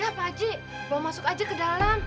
yaudah bu haji bawa masuk aja ke dalam